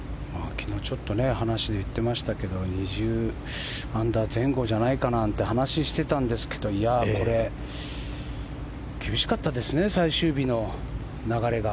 昨日、ちょっと話で言ってましたけど２０アンダー前後じゃないかって話をしていたんですけどこれ、厳しかったですね最終日の流れが。